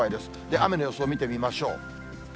雨の予想見てみましょう。